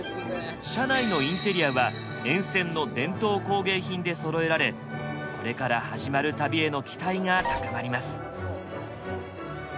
車内のインテリアは沿線の伝統工芸品でそろえられこれから始まる旅への期待が高まります。